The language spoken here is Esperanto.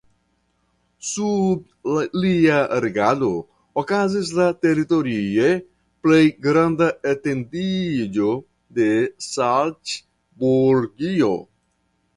Sub lia regado okazis la teritorie plej granda etendiĝo de Salcburgio.